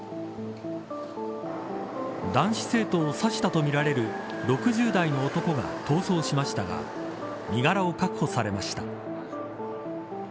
男子生徒を刺したとみられる６０代の男が逃走しましたが身柄を確保されました。